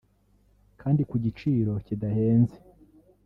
kandi ku giciro kidahenze